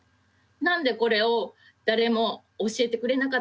何でこれを誰も教えてくれなかったのかなって。